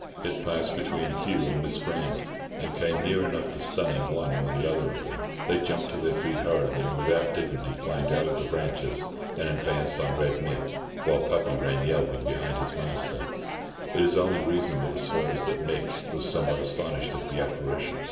It passed between Hugh and Miss Grant, and came near enough to stunning one or other of them. They jumped to their feet hurriedly, and without dignity climbed out of the branches, and advanced on Red Mick, while the puppy ran yelping behind his master. It is only reasonable to suppose that Mick was somewhat astonished at the apparition.